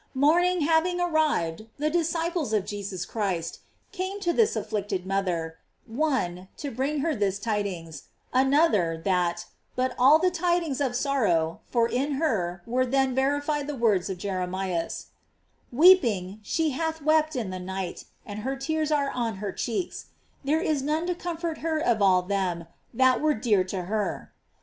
f Morning having arrived the disciples of Jesus Christ came to this afflicted mother, one, to bring her this tidings, another, that; but all tidings of sorrow, for in her were then verified the words of Jeremias: "Weeping, she hath wept in the night, and her tears are on her cheeks; there is none to comfort her of all them that were dear to her."